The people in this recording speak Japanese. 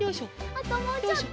あともうちょっと！